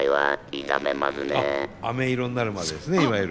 あっあめ色になるまでですねいわゆる。